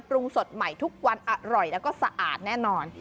สดใหม่ทุกวันอร่อยแล้วก็สะอาดแน่นอน